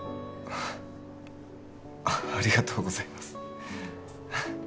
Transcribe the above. ありがとうございます